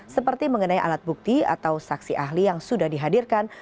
seperti mengenai alat bukti atau saksi ahli yang sudah dihadirkan